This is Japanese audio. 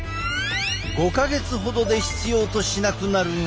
５か月ほどで必要としなくなるが。